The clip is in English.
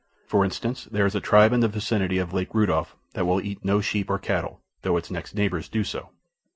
For instance, there is a tribe in the vicinity of Lake Rudolph that will eat no sheep or cattle, though its next neighbors do so.